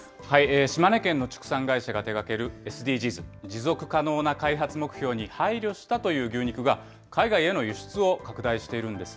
島根県の畜産会社が手がけるＳＤＧｓ・持続可能な開発目標に配慮したという牛肉が海外への輸出を拡大しているんです。